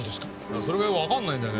それがわかんないんだよね。